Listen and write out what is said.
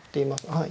はい。